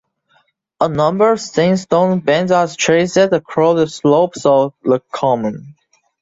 A number of sandstone bands are traced across the slopes of the common.